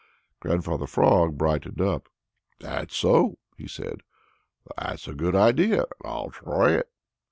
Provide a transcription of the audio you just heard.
Grandfather Frog brightened up. "That's so!" said he. "That's a good idea, and I'll try it."